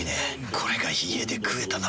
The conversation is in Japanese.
これが家で食えたなら。